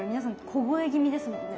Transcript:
小声気味ですもんね。